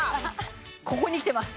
ここにきてます